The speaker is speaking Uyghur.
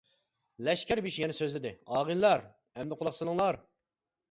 لەشكەر بېشى يەنە سۆزلىدى:-ئاغىنىلەر، ئەمدى قۇلاق سېلىڭلار!